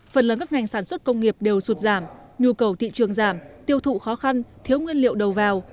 phần lớn các ngành sản xuất công nghiệp đều sụt giảm nhu cầu thị trường giảm tiêu thụ khó khăn thiếu nguyên liệu đầu vào